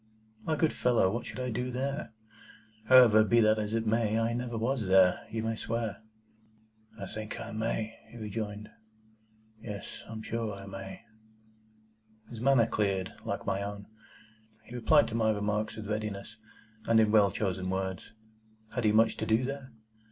"My good fellow, what should I do there? However, be that as it may, I never was there, you may swear." "I think I may," he rejoined. "Yes; I am sure I may." His manner cleared, like my own. He replied to my remarks with readiness, and in well chosen words. Had he much to do there?